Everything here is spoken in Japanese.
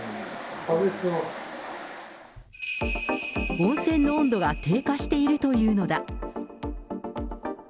温泉の温度が低下しているというのだ。